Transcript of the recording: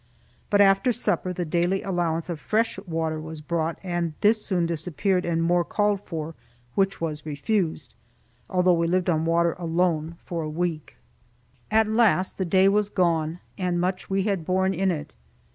But after supper the daily allowance of fresh water was brought, and this soon disappeared and more called for, which was refused, although we lived on water alone for a week. At last the day was gone, and much we had borne in it.